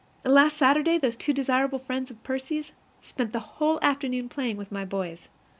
Last Saturday those two desirable friends of Percy's spent the whole afternoon playing with my boys.